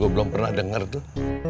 gue belum pernah dengar tuh